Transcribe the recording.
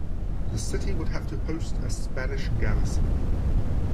The city would have to host a Spanish garrison.